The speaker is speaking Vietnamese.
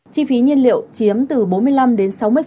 chi phí nhiên liệu chiếm từ bốn mươi năm đến sáu mươi